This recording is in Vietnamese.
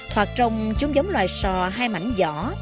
hoặc trông chúng giống loài sò hay mảnh giỏ